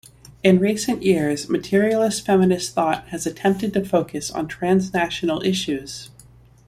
In recent years materialist feminist thought has attempted to focus on transnational issues.